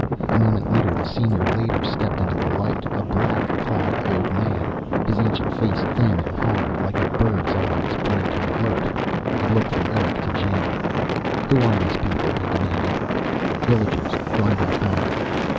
A moment later the Senior Leiter stepped into the light, a black clad old man, his ancient face thin and hard, like a bird's, eyes bright and alert. He looked from Erick to Jan. "Who are these people?" he demanded. "Villagers going back home."